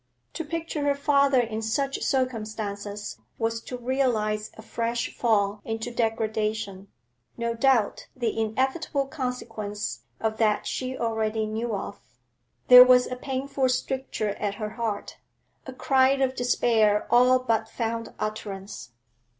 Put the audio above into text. To picture her father in such circumstances was to realise a fresh fall into degradation, no doubt the inevitable consequence of that she already knew of. There was a painful stricture at her heart; a cry of despair all but found utterance.